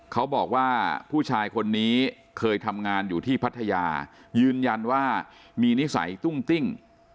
เขาบอกว่าผู้ชายคนนี้เคยทำงานอยู่ที่พัทยายืนยันว่ามีนิสัยตุ้งติ้ง